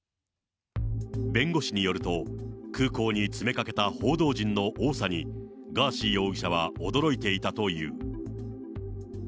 弁護士によると、空港に詰めかけた報道陣の多さに、ガーシー容疑者は驚いていたという。